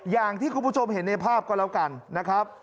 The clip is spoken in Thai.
อย่างที่คุณผู้ชมเห็นในภาพก็แล้วกันนะครับ